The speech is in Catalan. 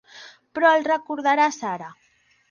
Però el recordaràs ara.